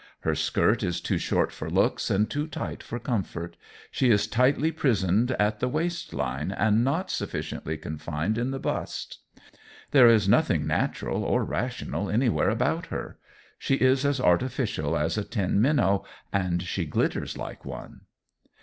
Her skirt is too short for looks and too tight for comfort; she is tightly prisoned at the waistline and not sufficiently confined in the bust. There is nothing natural or rational anywhere about her. She is as artificial as a tin minnow and she glitters like one.